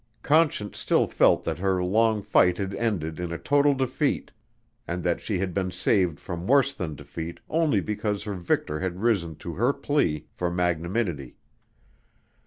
Conscience still felt that her long fight had ended in a total defeat and that she had been saved from worse than defeat only because her victor had risen to her plea for magnanimity.